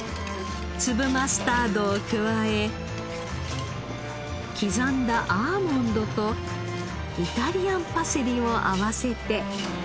粒マスタードを加え刻んだアーモンドとイタリアンパセリを合わせて。